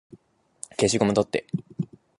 消しゴム取って